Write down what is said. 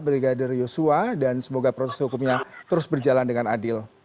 brigadir yosua dan semoga proses hukumnya terus berjalan dengan adil